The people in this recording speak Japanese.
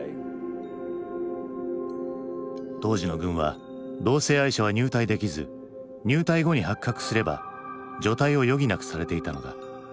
当時の軍は同性愛者は入隊できず入隊後に発覚すれば除隊を余儀なくされていたのだ。